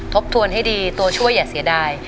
ทบทวนให้ดีตัวช่วยอย่าเสียดาย